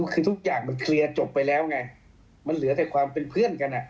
คือทุกอย่างมันเคลียร์จบไปแล้วไงมันเหลือแต่ความเป็นเพื่อนกัน